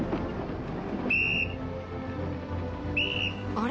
あれ？